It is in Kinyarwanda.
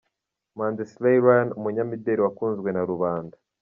Manzi Slay Ryan umunyamideri wakunzwe na rubanda.